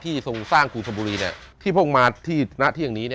ที่ทรงสร้างกุธบุรีที่พกมาที่หน้าเที่ยงนี้